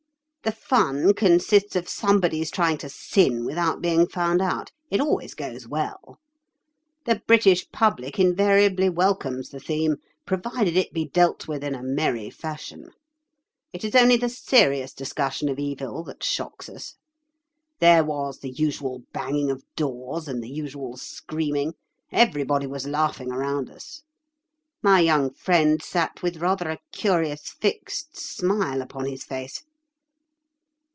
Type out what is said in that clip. The fun consists of somebody's trying to sin without being found out. It always goes well. The British public invariably welcomes the theme, provided it be dealt with in a merry fashion. It is only the serious discussion of evil that shocks us. There was the usual banging of doors and the usual screaming. Everybody was laughing around us. My young friend sat with rather a curious fixed smile upon his face.